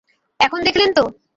এখন দেখলেন তো?